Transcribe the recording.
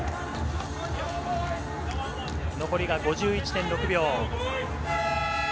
残りが５１．６秒。